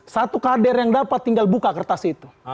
satu kader yang dapat tinggal buka kertas itu